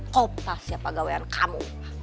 kopas ya pak gawian kamu